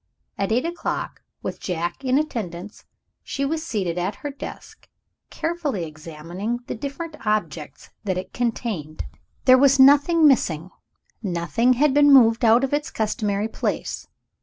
At eight o'clock, with Jack in attendance, she was seated at her desk, carefully examining the different objects that it contained. Nothing was missing; nothing had been moved out of its customary place.